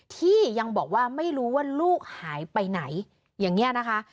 ที่ยังบอกว่าไม่รู้ว่าลูกหายไปไหนอย่างนี้นะคะ